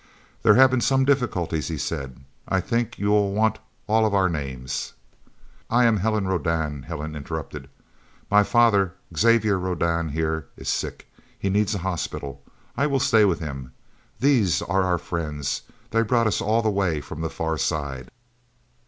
"There have been some difficulties," he said. "I think you will want all of our names." "I am Helen Rodan," Helen interrupted. "My father, Xavier Rodan, here, is sick. He needs a hospital. I will stay with him. These are our friends. They brought us all the way from Far Side."